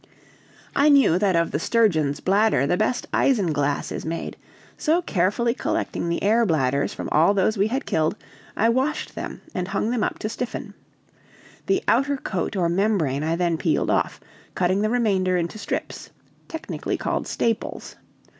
I knew that of the sturgeon's bladder the best isinglass is made, so carefully collecting the air bladders from all those we had killed, I washed them and hung them up to stiffen. The outer coat or membrane I then peeled off, cutting the remainder into strips, technically called staples.